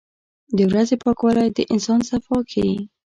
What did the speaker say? • د ورځې پاکوالی د انسان صفا ښيي.